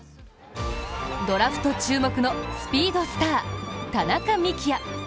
ドラフト注目のスピードスター、田中幹也。